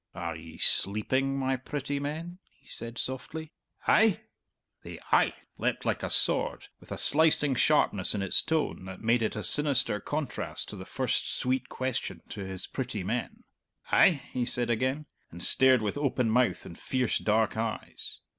"Are ye sleeping, my pretty men?" he said softly.... "Eih?" The "Eih" leapt like a sword, with a slicing sharpness in its tone that made it a sinister contrast to the first sweet question to his "pretty men." "Eih?" he said again, and stared with open mouth and fierce, dark eyes.